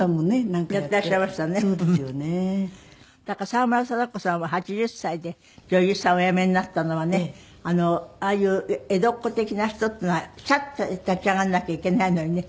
沢村貞子さんは８０歳で女優さんをお辞めになったのはねああいう江戸っ子的な人っていうのはチャッと立ち上がらなきゃいけないのにね